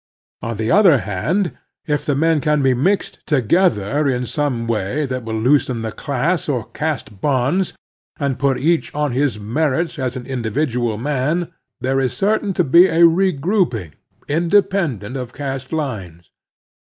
On the other hand, if the men can be mixed together in some way that will loosen the class or caste bonds and put each on his merits as an1S3ividual man, there is certain to be a regroup ing^dependent of caste lines.